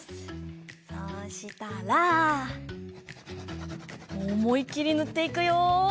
そうしたらおもいきりぬっていくよ！